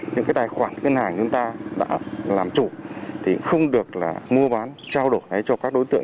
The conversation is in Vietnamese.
những cái tài khoản ngân hàng chúng ta đã làm chủ thì không được là mua bán trao đổi ngay cho các đối tượng